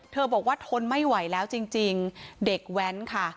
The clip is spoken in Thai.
บอกว่าทนไม่ไหวแล้วจริงเด็กแว้นค่ะ